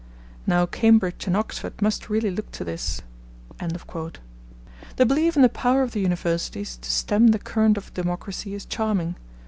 Now Cambridge and Oxford must really look to this.' The belief in the power of the Universities to stem the current of democracy is charming.